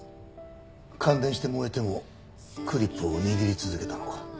感電して燃えてもクリップを握り続けたのか。